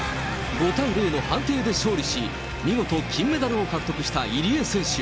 ５対０の判定で勝利し、見事、金メダルを獲得した入江選手。